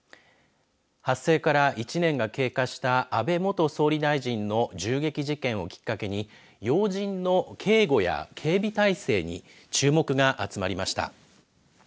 発生から１年が経過した安倍元総理大臣の銃撃事件をきっかけに要人の警護や警備体制に注目が集まりました。